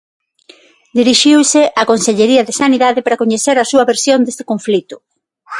Dirixiuse á Consellería de Sanidade para coñecer a súa versión deste conflito.